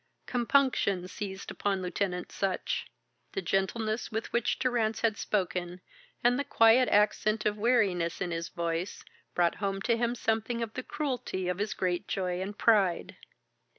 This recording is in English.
Compunction seized upon Lieutenant Sutch. The gentleness with which Durrance had spoken, and the quiet accent of weariness in his voice, brought home to him something of the cruelty of his great joy and pride.